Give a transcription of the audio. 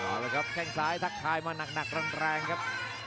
เอาละครับแข้งซ้ายทักทายมาหนักแรงครับ